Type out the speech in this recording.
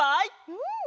うん！